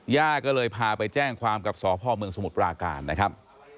ย่าก็เลยพาไปแจ้งความกับสพเมืองสมุทรปราการนะครับ